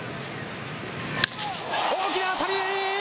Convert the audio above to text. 大きな当たり！